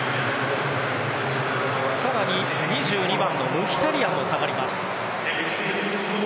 更に２２番、ムヒタリアンも下がります。